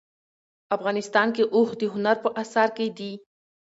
افغانستان کې اوښ د هنر په اثار کې دي.